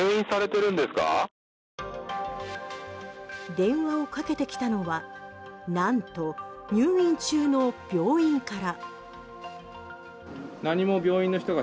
電話をかけてきたのはなんと入院中の病院から。